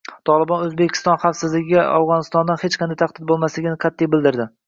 Tolibon O‘zbekiston xavfsizligiga Afg‘onistondan hech qanday tahdid bo‘lmasligini qat’iy bildirdi